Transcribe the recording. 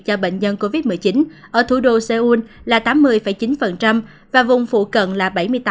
cho bệnh nhân covid một mươi chín ở thủ đô seoul là tám mươi chín và vùng phụ cận là bảy mươi tám